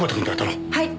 はい。